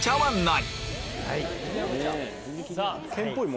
はい。